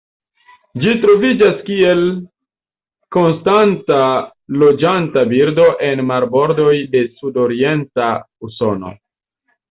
Ĝi troviĝas kiel konstanta loĝanta birdo en marbordoj de sudorienta Usono.